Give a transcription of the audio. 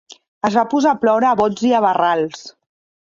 Es va posar a ploure a bots i a barrals.